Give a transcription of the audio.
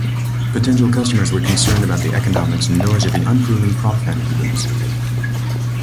Potential customers were concerned about the economics and noise of the unproven propfan engines.